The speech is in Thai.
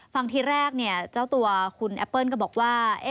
ทีแรกเจ้าตัวคุณแอปเปิ้ลก็บอกว่า